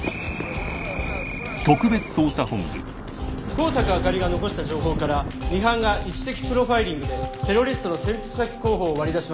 香坂朱里が残した情報からミハンが位置的プロファイリングでテロリストの潜伏先候補を割り出しました。